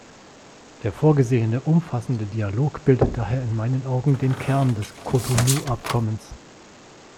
Der vorgesehene umfassende Dialog bildet daher in meinen Augen den Kern des Cotonou-Abkommens.